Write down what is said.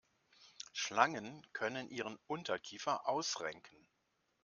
Schlangen können ihren Unterkiefer ausrenken.